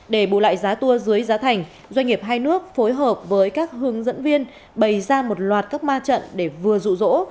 để bù lại giá tour dưới giá thành doanh nghiệp hai nước phối hợp với các hướng dẫn viên bày ra một loạt các ma trận để vừa rụ rỗ